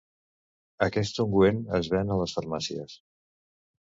Aquest ungüent es ven a les farmàcies.